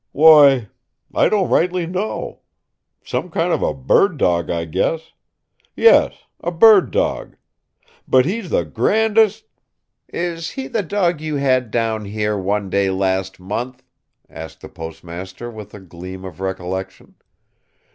"Why, I don't rightly know. Some kind of a bird dawg, I guess. Yes. A bird dawg. But he's sure the grandest " "Is he the dog you had down here, one day last month?" asked the postmaster, with a gleam of recollection.